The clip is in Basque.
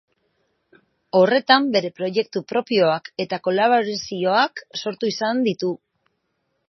Horretan bere proiektu propioak eta kolaborazioak sortu izan ditu.